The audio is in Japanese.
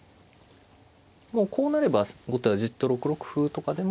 もうこうなれば後手はじっと６六歩とかでも。